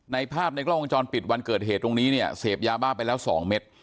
ในภาพในกล้องวงจรปิดวันเกิดเหตุตรงนี้เนี่ยเสพยาบ้าไปแล้ว๒เม็ด